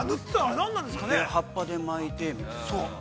葉っぱで巻いてみたいな。